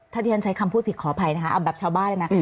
ถ้าที่ฉันใช้คำพูดผิดขออภัยนะคะเอาแบบชาวบ้านเลยนะ